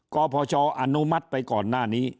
พชอนุมัติไปก่อนหน้านี้